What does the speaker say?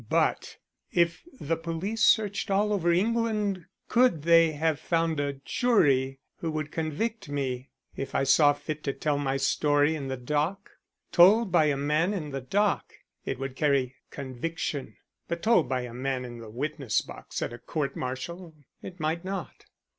But if the police searched all over England could they have found a jury who would convict me if I saw fit to tell my story in the dock? Told by a man in the dock it would carry conviction; but told by a man in the witness box at a court martial it might not."